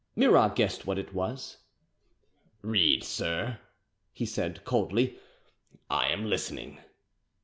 Murat guessed what it was. "Read, sir," he said coldly; "I am listening."